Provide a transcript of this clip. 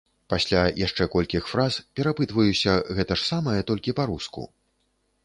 Пасля яшчэ колькіх фраз перапытваюся гэта ж самае толькі па-руску.